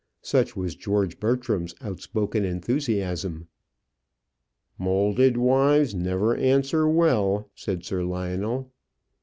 Such was George Bertram's outspoken enthusiasm. "Moulded wives never answer well," said Sir Lionel.